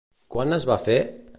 Quan es va fer?